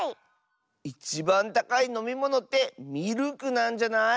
いちばんたかいのみものってミルクなんじゃない？